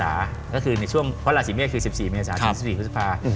อาาศิเวียดคือ๑๔มิศ